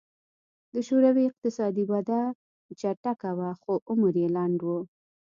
د شوروي اقتصادي وده چټکه وه خو عمر یې لنډ و